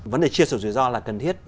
vấn đề chia sổ rủi ro là cần thiết